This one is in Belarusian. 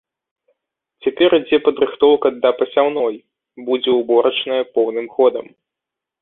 Цяпер ідзе падрыхтоўка да пасяўной, будзе ўборачная поўным ходам.